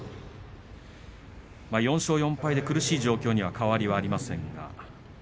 ４勝４敗で苦しい状況に変わりはありません。